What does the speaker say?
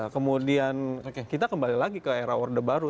kemudian kita kembali lagi ke era orde baru